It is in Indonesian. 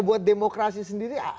buat demokrasi sendiri